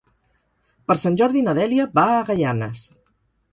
Per Sant Jordi na Dèlia va a Gaianes.